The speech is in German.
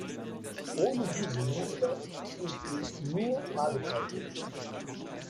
Ohne diese Muster siehst du nur Fragezeichen.